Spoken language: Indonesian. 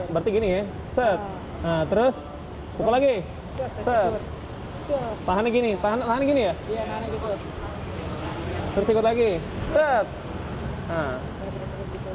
berarti gini ya set terus pukul lagi tahannya gini tahan lahan gini ya terus ikut lagi set